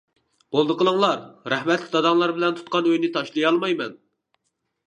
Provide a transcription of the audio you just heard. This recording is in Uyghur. -بولدى قىلىڭلا، رەھمەتلىك داداڭلا بىلەن تۇتقان ئۆينى تاشلىيالمايمەن.